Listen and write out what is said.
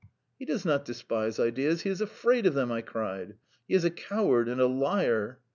"He does not despise ideas; he is afraid of them," I cried. "He is a coward and a liar."